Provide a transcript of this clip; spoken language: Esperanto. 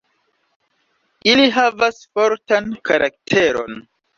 Ili havas fortan karakteron.